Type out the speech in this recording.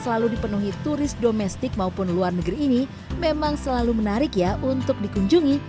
selalu dipenuhi turis domestik maupun luar negeri ini memang selalu menarik ya untuk dikunjungi